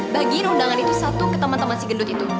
bagiin undangan itu satu ke temen temen si gendut itu